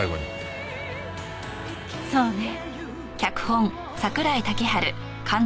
そうね。